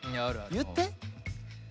言って。